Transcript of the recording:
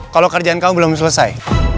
kalau kerjaan kamu belum selesai